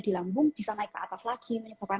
di lambung bisa naik ke atas lagi menyebabkan